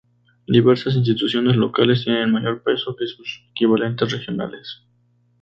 Diversas instituciones locales tienen mayor peso que sus equivalentes regionales.